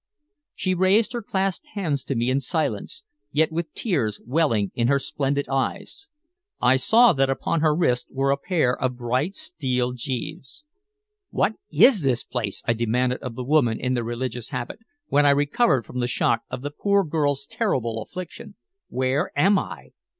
She raised her clasped hands to me in silence, yet with tears welling in her splendid eyes. I saw that upon her wrists were a pair of bright steel gyves. "What is this place?" I demanded of the woman in the religious habit, when I recovered from the shock of the poor girl's terrible affliction. "Where am I?"